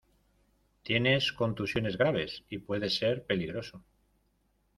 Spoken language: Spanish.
tienes contusiones graves y puede ser peligroso.